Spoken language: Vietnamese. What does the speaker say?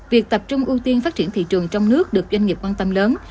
việc tập trung ưu tiên phát triển thị trường trong nước được doanh nghiệp quan tâm lớn